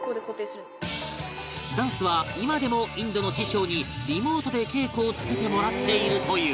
ダンスは今でもインドの師匠にリモートで稽古をつけてもらっているという